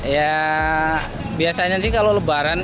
ya biasanya sih kalau lebaran